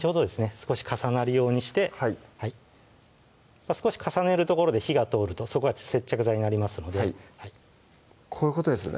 少し重なるようにして少し重ねる所で火が通るとそこが接着剤になりますのでこういうことですね？